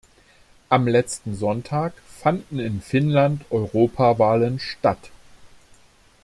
Am letzten Sonntag fanden in Finnland Europawahlen statt.